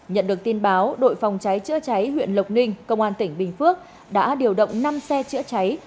nhận được tin báo đội phòng cháy chữa cháy huyện lộc ninh công an tỉnh bình phước đã điều động năm xe chữa cháy